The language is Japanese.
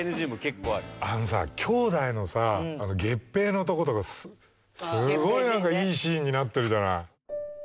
あのさ兄弟のさ月餅のとことかすごい何かいいシーンになってるじゃない。